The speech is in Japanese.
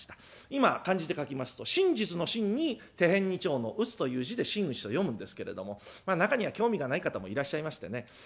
今漢字で書きますと真実の「真」に手へんに「丁」の「打つ」という字で「真打」と読むんですけれども中には興味がない方もいらっしゃいましてね